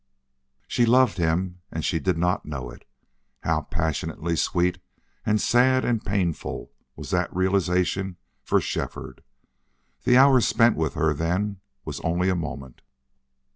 She loved him and she did not know it. How passionately sweet and sad and painful was that realization for Shefford! The hour spent with her then was only a moment.